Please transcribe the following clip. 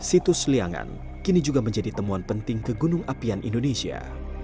situs liangan kini juga menjadi temuan penting ke gunung apian indonesia